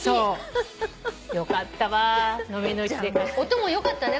音も良かったね。